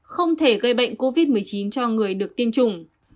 không thể gây bệnh covid một mươi chín cho người được tiêm chủng